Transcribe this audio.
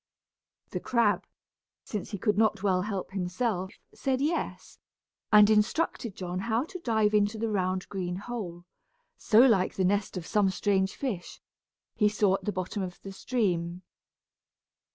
The crab, since he could not well help himself, said yes, and instructed John how to dive into the round green hole, so like the nest of some strange fish, he saw at the bottom of the stream.